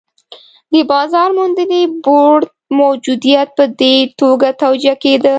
د بازار موندنې بورډ موجودیت په دې توګه توجیه کېده.